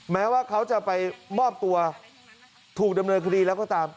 แม้ว่าเขาจะไปมอบตัวถูกดำเนินคดีแล้วก็ตาม